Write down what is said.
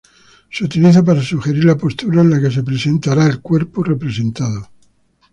Se utiliza para sugerir la postura en la que se presentará el cuerpo representado.